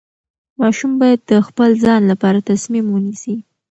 ماشوم باید د خپل ځان لپاره تصمیم ونیسي.